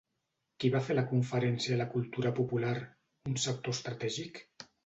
Qui va fer la conferència La cultura popular, un sector estratègic?